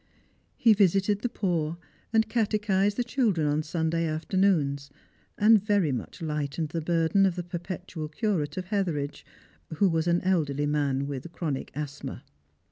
He visited the poor, and catechised the children on Sunday afternoons, and very much lightened the burden of the perpetual curate of Hetheridge, who was an elderly man with a chronic asthma.